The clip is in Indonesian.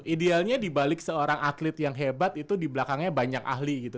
idealnya dibalik seorang atlet yang hebat itu di belakangnya banyak ahli gitu